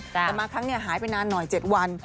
แต่มาครั้งนี้หายไปนานหน่อย๗วัน